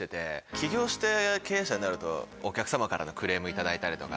起業して経営者になるとお客様からクレーム頂いたりとか。